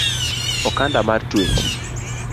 Okanda mar twech